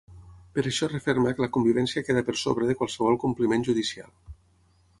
Per això referma que la convivència queda per sobre de qualsevol compliment judicial.